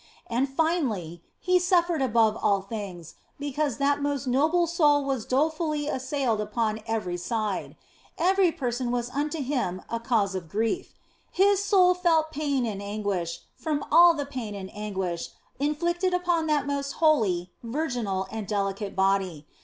And finally, He suffered above all things because that most noble soul was dolefully assailed upon every side ; every person was unto Him a cause of grief ; His Soul felt pain and anguish from all the pain and anguish inflicted upon that most holy, virginal, and delicate Body.